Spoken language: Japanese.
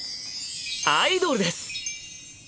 アイドルです！